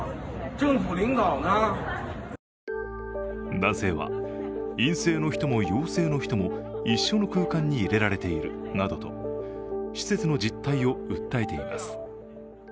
男性は陰性の人も陽性の人も一緒の空間に入れられているなどと施設の実態を訴えています。